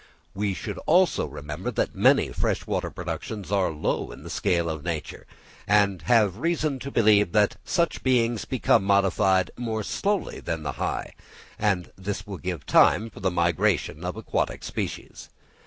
We should also remember that many fresh water productions are low in the scale of nature, and we have reason to believe that such beings become modified more slowly than the high; and this will give time for the migration of aquatic species.